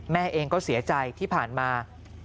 แม่เองก็เสียใจที่ผ่านมา